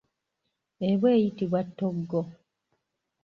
Eba eyitibwa ttoggo.